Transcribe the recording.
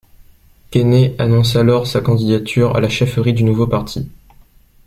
Kenney annonce alors sa candidature à la chefferie du nouveau parti.